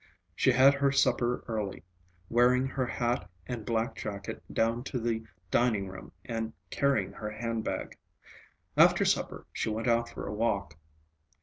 She had her supper early, wearing her hat and black jacket down to the dining room and carrying her handbag. After supper she went out for a walk.